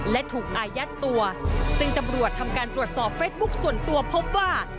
และถูกอายัดตัวซึ่งตำรวจทำการตรวจสอบเฟสบุ๊คส่วนตัวพบว่า